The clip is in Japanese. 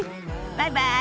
バイバイ。